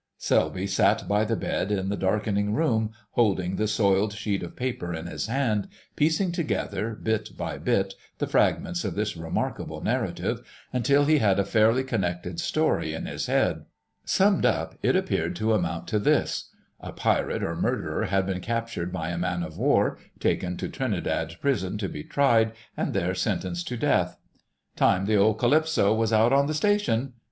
Selby sat by the bed in the darkening room holding the soiled sheet of paper in his hand, piecing together bit by bit the fragments of this remarkable narrative, until he had a fairly connected story in his head. Summed up, it appeared to amount to this: A pirate or murderer had been captured by a man of war, taken to Trinidad prison to be tried, and there sentenced to death. "Time the old Calypso was out on the Station."